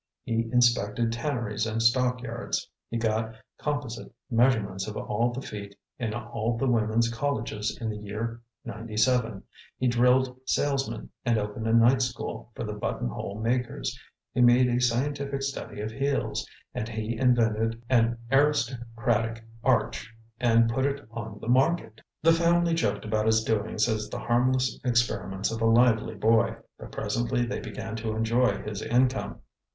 He inspected tanneries and stockyards, he got composite measurements of all the feet in all the women's colleges in the year ninety seven, he drilled salesmen and opened a night school for the buttonhole makers, he made a scientific study of heels, and he invented an aristocratic arch and put it on the market. The family joked about his doings as the harmless experiments of a lively boy, but presently they began to enjoy his income.